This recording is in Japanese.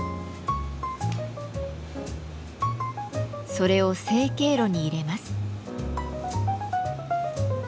それを成形炉に入れます。